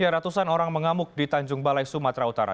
ratusan orang mengamuk di tanjung balai sumatera utara